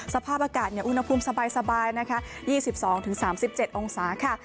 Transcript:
สภาพอากาศอุณหภูมิสบายนะคะ๒๒๓๗องศาค่ะ